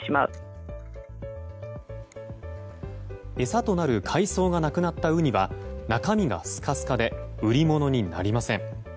餌となる海藻がなくなったウニは中身がスカスカで売り物になりません。